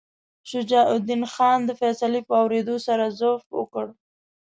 شجاع الدین خان د فیصلې په اورېدو سره ضعف وکړ.